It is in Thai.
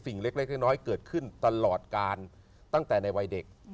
สิ่งเล็กน้อยเกิดขึ้นตลอดการตั้งแต่ในวัยเด็ก